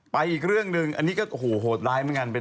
อีกเรื่องหนึ่งอันนี้ก็โอ้โหโหดร้ายเหมือนกัน